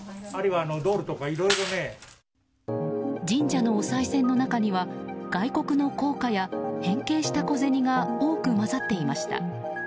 神社のおさい銭の中には外国の硬貨や変形した小銭が多く混ざっていました。